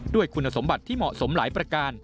ด้วยคุณสมบัติที่เหมาะสมหลายประการ